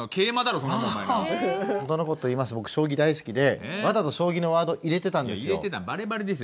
ほんとの事言いますと僕将棋大好きでわざと将棋のワード入れてたんですよ。